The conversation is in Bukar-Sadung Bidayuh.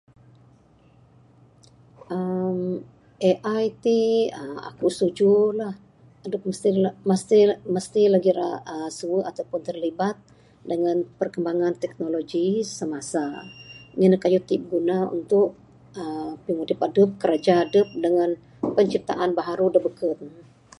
aaa AI ti aaa aku setujulah adep mesti-mesti legi ira aaa suwe ataupun terlibat dengan perkembangan teknologi semasa. Ngin keyuh ti biguna untuk aaa pimudip adep kiraja dep dengan penciptaan baru dak beken.